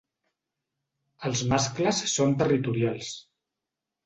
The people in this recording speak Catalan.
Els mascles són territorials.